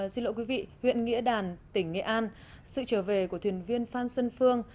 xin lỗi quý vị huyện nghĩa đàn tỉnh nghĩa an sự trở về của thuyền viên phan xuân phương